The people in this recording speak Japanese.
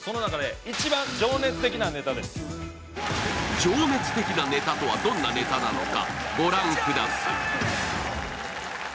情熱的なネタとはどんなネタなのか、ご覧ください。